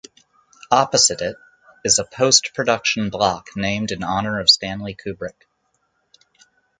Opposite it, is a post-production block named in honour of Stanley Kubrick.